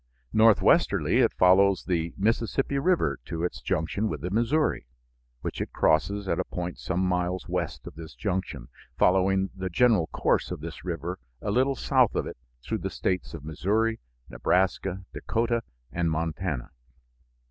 Northwesterly it follows the Mississippi River to its junction with the Missouri, which it crosses at a point some miles west of this junction, following the general course of this river a little south of it through the States of Missouri, Nebraska, Dakota, and Montana.